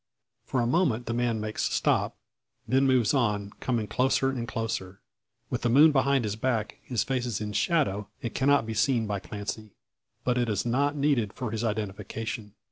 For a moment the man makes stop, then moves on, coming closer and closer. With the moon behind his back, his face is in shadow, and cannot be seen by Clancy. But it is not needed for his identification.